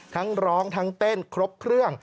ทั้งร้องทั้งเต้นครบเครื่อง